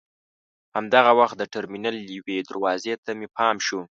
همدغه وخت د ټرمینل یوې دروازې ته مې پام شو.